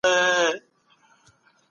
هانمین د یو داسې ماشین په جوړولو بریالی سو.